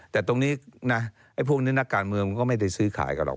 แต่ตรงนี้นะไอ้พวกนี้นักการเมืองมันก็ไม่ได้ซื้อขายกันหรอก